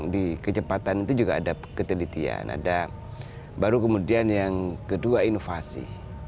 di kecepatan itu juga ada ketelitian ada baru kemudian yang kedua inovasi